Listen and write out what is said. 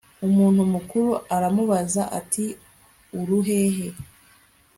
umuntu mukuru aramubaza ati uruhehe